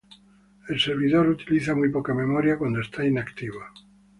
El servidor utiliza muy poca memoria cuando está inactivo.